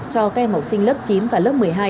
cho các em học sinh lớp chín và lớp một mươi hai